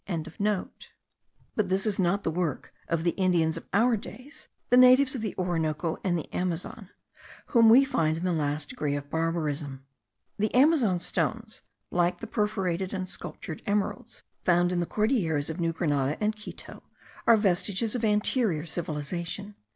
But this is not the work of the Indians of our days, the natives of the Orinoco and the Amazon, whom we find in the last degree of barbarism. The Amazon stones, like the perforated and sculptured emeralds, found in the Cordilleras of New Grenada and Quito, are vestiges of anterior civilization.